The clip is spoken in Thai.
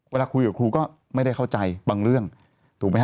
เวลาคุยกับครูก็ไม่ได้เข้าใจบางเรื่องถูกไหมฮ